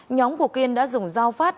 nhóm của kiên đã dùng giao pháp